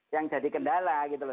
yang jadi kendala gitu loh